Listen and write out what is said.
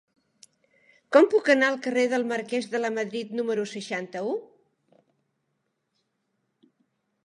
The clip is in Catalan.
Com puc anar al carrer del Marquès de Lamadrid número seixanta-u?